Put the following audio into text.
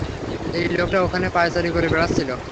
এই লোকটা ওখানে পায়চারি করে বেড়াচ্ছিল।